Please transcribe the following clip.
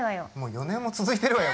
４年も続いてるわよ